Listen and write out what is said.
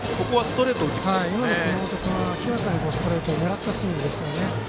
今の熊本君は明らかにストレートを狙ったスイングでしたね。